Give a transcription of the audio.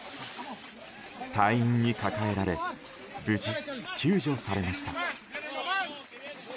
隊員に抱えられ無事、救助されました。